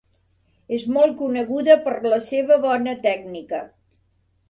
És molt coneguda per la seva bona tècnica.